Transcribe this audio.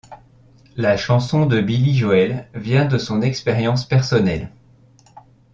La chanson de Billy Joel vient de son expérience personnelle.